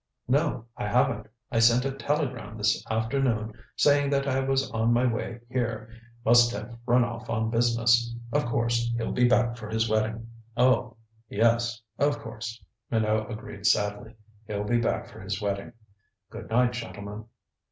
"No, I haven't. I sent him a telegram this afternoon saying that I was on my way here. Must have run off on business. Of course, he'll be back for his wedding." "Oh, yes of course," Minot agreed sadly, "he'll be back for his wedding. Good night, gentlemen."